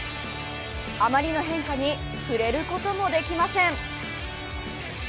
あまりの変化に触れることもできません。